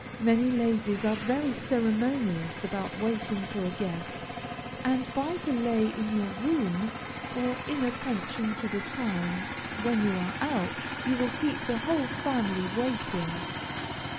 Many ladies are very ceremonious about waiting for a guest, and by delay in your room, or inattention to the time, when you are out, you will keep the whole family waiting.